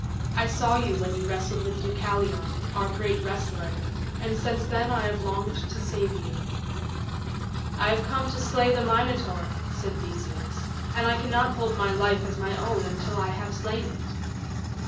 I saw you when you wrestled with Deucalion, our great wrestler, and since then I have longed to save you." "I have come to slay the Minotaur," said Theseus, "and I cannot hold my life as my own until I have slain it."